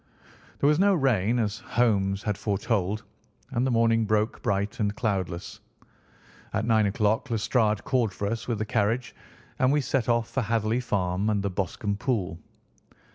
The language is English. There was no rain, as Holmes had foretold, and the morning broke bright and cloudless. At nine o'clock Lestrade called for us with the carriage, and we set off for Hatherley Farm and the Boscombe Pool.